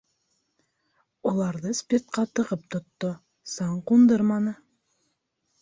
Уларҙы спиртҡа тығып тотто, саң ҡундырманы.